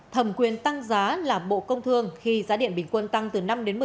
thẩm quyền tăng giá là bộ công thương khi giá điện bình quân tăng từ năm một mươi